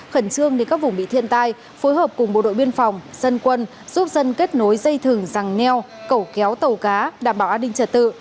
khẩn trương đến các vùng bị thiên tai phối hợp cùng bộ đội biên phòng dân quân giúp dân kết nối dây thừng răng neo cẩu kéo tàu cá đảm bảo an ninh trật tự